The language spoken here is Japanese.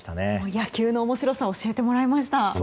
野球の面白さを教えてもらいました。